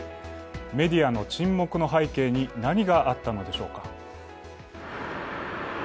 メディアの沈黙の背景に何があったのでしょうか？